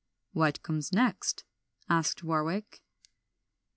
"What comes next?" asked Warwick.